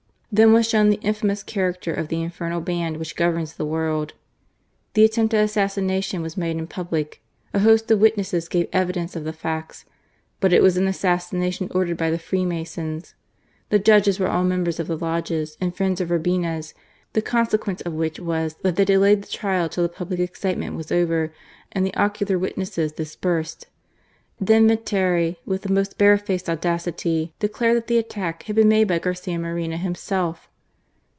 Then was shown the infamous character of the infernal band which governs the world. The attempt at assassination was made in public — a host of witnesses gave evidence of the facts ; but it was an assassination ordered by the Freemasons : the judges were all members of the lodges and friends of Urbina's; the consequence of which was that they delayed the trial till the public excitement was over, and the ocular witnesses dispersed. Then Viteri, with the most barefaced audacity, declared that the attack had been made by Garcia Moreno himself!